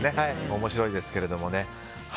面白いですけど。